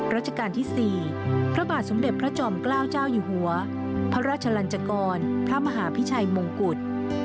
ราชการที่๔พระบาทสมเด็จพระจอมเกล้าเจ้าอยู่หัวพระราชลันจกรพระมหาพิชัยมงกุฎ